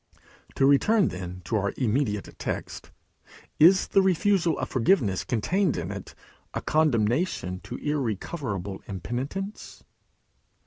To return then to our immediate text: Is the refusal of forgiveness contained in it a condemnation to irrecoverable impenitence?